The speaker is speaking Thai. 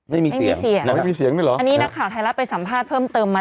ไม่มีเสียงเสียงไม่มีเสียงด้วยเหรออันนี้นักข่าวไทยรัฐไปสัมภาษณ์เพิ่มเติมมา